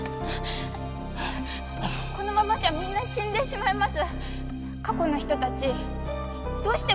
このままじゃみんな死んでしまいます。